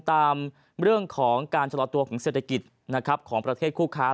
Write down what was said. ตามเรื่องของการชะลอตัวของเศรษฐกิจนะครับของประเทศคู่ค้า